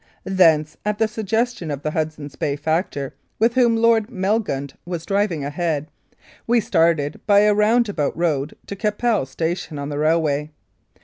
Thence, at the suggestion of the Hudson's Bay factor, with whom Lord Melgund was driving ahead, we started by a roundabout road to Qu'Appelle station on the railway.